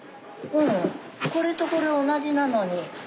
これとこれおなじなのに。